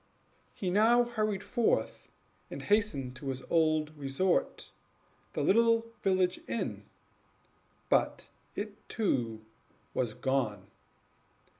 He now hurried forth, and hastened to his old resort, the village inn but it, too, was gone.